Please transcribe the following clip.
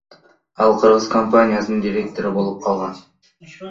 Ал кыргыз компаниясынын директору болуп калган.